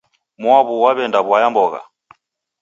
Mwaawu waweenda waya mbogha